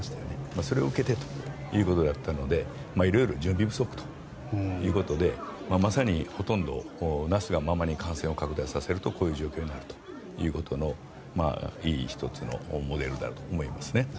それを受けてということだったのでいろいろ準備不足ということでまさに、ほとんどなすがままに感染を拡大させるとこういう状況になるということのいい１つのモデルだと思いますね。